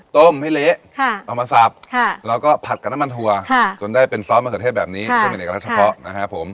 ต้มให้เละเอามาสับแล้วก็ผัดกับน้ำมันถั่วจนได้เป็นซอสมะเขือเทศแบบนี้ก็เป็นเอกลักษณ์เฉพาะนะครับผม